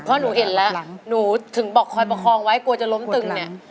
เพราะหนูเห็นแล้วหนูถึงบอกคอยประคองไว้กลัวจะล้มตึงเนี่ย